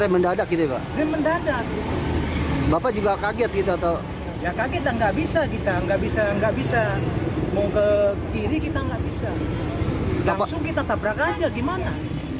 mau ke kiri kita nggak bisa langsung kita tabrak aja gimana